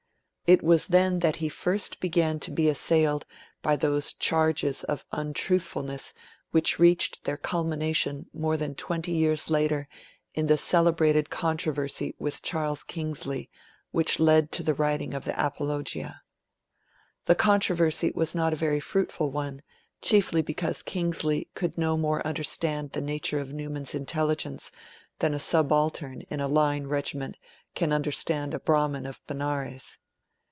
It was then that he first began to be assailed by those charges of untruthfulness which reached their culmination more than twenty years later in the celebrated controversy with Charles Kingsley, which led to the writing of the Apologia. The controversy was not a very fruitful one, chiefly because Kingsley could no more understand the nature of Newman's intelligence than a subaltern in a line regiment can understand a Brahmin of Benares.